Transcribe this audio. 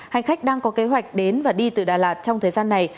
hành khách đang có kế hoạch đến và đi từ đà lạt trong thời gian này